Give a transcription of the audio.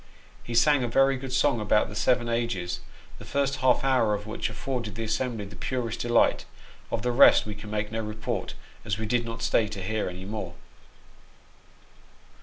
He sang a very good song about the seven ages, the first half hour of which afforded the assembly the purest delight ; of the rest we can make no report, as we did not stay to hear any more.